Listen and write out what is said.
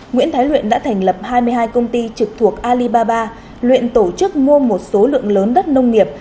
nguyễn thái luyện đã thành lập hai mươi hai công ty trực thuộc alibaba luyện tổ chức mua một số lượng lớn đất nông nghiệp